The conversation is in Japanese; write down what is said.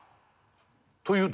というと？